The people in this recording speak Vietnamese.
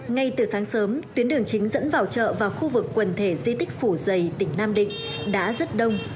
ngay từ sáng sớm tuyến đường chính dẫn vào chợ và khu vực quần thể di tích phủ giày tỉnh nam định đã rất đông